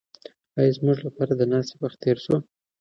ایا زموږ لپاره د ناستې وخت تېر شوی دی؟